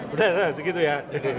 udah udah segitu ya